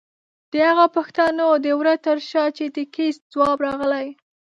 د هغو پښتنو د وره تر شا چې د کېست ځواب راغلی؛